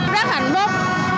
rất hạnh phúc